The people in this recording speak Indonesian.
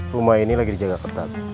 rumah ini lagi dijaga ketat